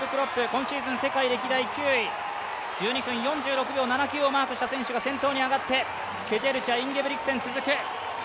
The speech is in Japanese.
今シーズン歴代９位１２分４６秒７９をマークした選手が先頭に上がってケジェルチャ、インゲブリクセン続く。